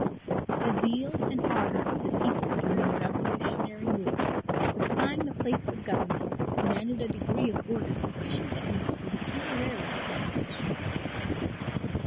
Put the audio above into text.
The zeal and ardor of the people during the Revolutionary war, supplying the place of government, commanded a degree of order sufficient at least for the temporary preservation of society.